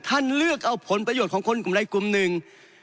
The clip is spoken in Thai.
ท่านเลือกเอาผลประโยชน์ของคนกลุ่มใดกลุ่มหนึ่ง